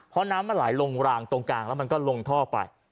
เพราะน้ำมันไหลลงรางตรงกลางแล้วมันก็ลงท่อไป